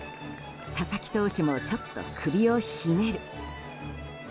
佐々木投手もちょっと首をひねる。